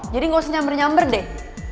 jadi gak usah nyamber nyamber deh